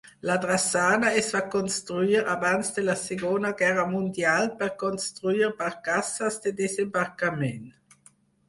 La drassana es va construir abans de la Segona Guerra Mundial per construir barcasses de desembarcament.